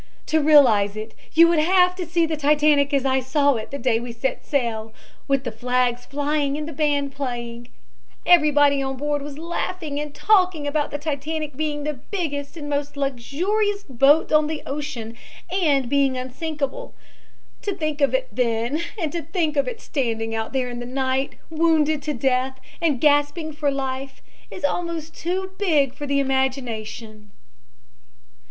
To realize it, you would have to see the Titanic as I saw it the day we set sail with the flags flying and the bands playing. Everybody on board was laughing and talking about the Titanic being the biggest and most luxurious boat on the ocean and being unsinkable. To think of it then and to think of it standing out there in the night, wounded to death and gasping for life, is almost too big for the imagination.